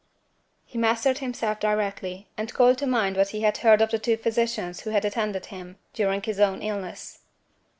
He mastered himself directly, and called to mind what he had heard of the two physicians who had attended him, during his own illness.